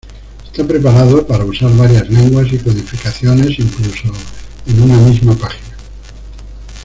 Está preparado para usar varias lenguas y codificaciones incluso en una misma página.